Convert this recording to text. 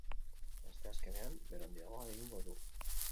Asteazkenean, bero handiagoa egingo du.